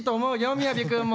雅君も。